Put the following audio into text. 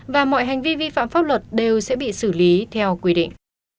và mọi hành vi vi phạm pháp luật đều sẽ bị xử lý theo quy định